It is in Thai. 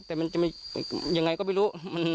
แต่มันจะยังไงก็ไม่รู้